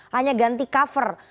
hanya ganti cover